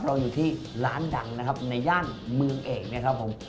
เราอยู่ที่ร้านดังนะครับในย่านเมืองเอกนะครับผม